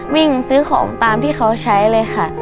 วิ่งซื้อของตามที่เขาใช้เลยค่ะ